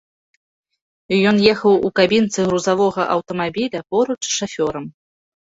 Ён ехаў у кабінцы грузавога аўтамабіля поруч з шафёрам.